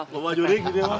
bapak jurik gitu ya pak